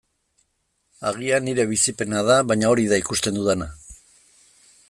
Agian nire bizipena da, baina hori da ikusten dudana.